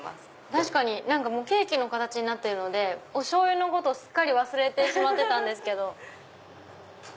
確かにケーキの形になってるのでお醤油のことすっかり忘れてしまってたんですけど。